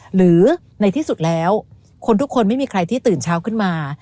หรือในที่สุดแล้วคนทุกคนไม่มีใครที่ตื่นเช้าขึ้นมา